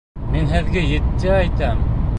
Мин һеҙгә етди әйтәм!